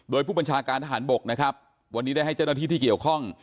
โดยผู้บัญชาการทหารบกนะครับวันนี้ได้ให้เจ้าหน้าที่ที่เกี่ยวข้อง